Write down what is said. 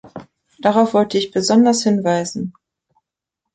Darauf wollte ich besonders hinweisen.